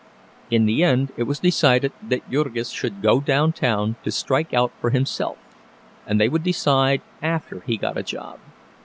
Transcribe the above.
In the end it was decided that Jurgis should go downtown to strike out for himself, and they would decide after he got a job.